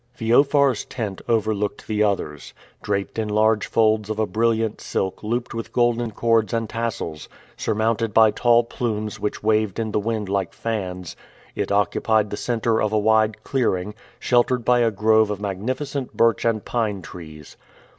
Feofar's tent overlooked the others. Draped in large folds of a brilliant silk looped with golden cords and tassels, surmounted by tall plumes which waved in the wind like fans, it occupied the center of a wide clearing, sheltered by a grove of magnificent birch and pine trees.